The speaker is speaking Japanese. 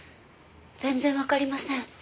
全然わかりません。